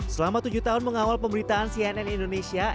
selama tujuh tahun mengawal pemberitaan cnn indonesia